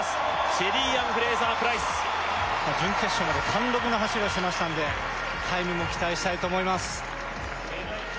シェリーアン・フレイザープライス準決勝まで貫禄な走りをしましたんでタイムも期待したいと思います